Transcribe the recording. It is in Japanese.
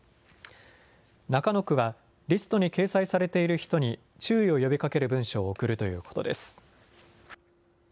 中野区は、リストに掲載されている人に注意を呼びかける文書を送るということです。